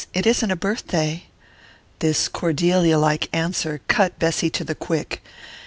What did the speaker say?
It isn't a birthday." This Cordelia like answer cut Bessy to the quick.